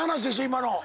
今の。